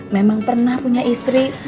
memang pernah punya istri